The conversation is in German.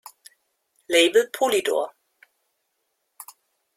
Label Polydor